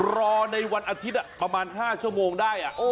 รอในวันอาทิตย์ประมาณ๕ชั่วโมงได้